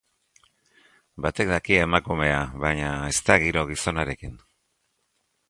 Batek daki, emakumea, baina ez da giro gizonarekin!